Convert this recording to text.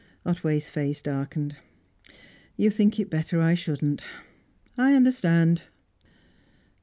Otway's face darkened. "You think it better I shouldn't. I understand."